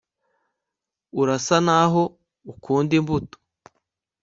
urasa naho ukunda imbuto